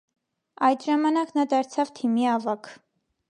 Այդ ժամանակ նա դարձավ թիմի ավագ։